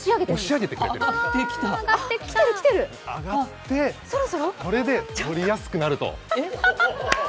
上がって、これで取りやすくなると。